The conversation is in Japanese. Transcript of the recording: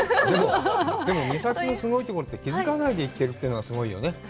でも、美咲のすごいところって、気づかないで行ってるというのが、すごいよね。